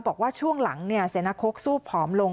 บอกว่าช่วงหลังเสนาคกสู้ผอมลง